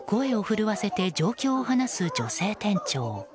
声を震わせて状況を話す女性店長。